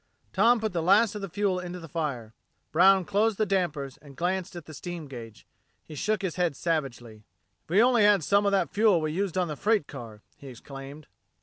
Tom put the last of the fuel into the fire. Brown closed the dampers and glanced at the steam gauge. He shook his head savagely. "If we only had some of that fuel we used on the freight car!" he exclaimed.